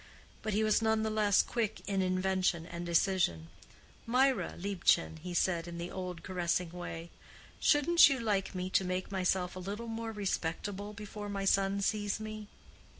But he was none the less quick in invention and decision. "Mirah, Liebchen," he said, in the old caressing way, "shouldn't you like me to make myself a little more respectable before my son sees me?